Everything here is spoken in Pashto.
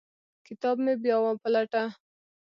کتاب مې بیا وپلټه.